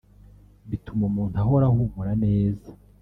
bituma umuntu ahora ahumura neza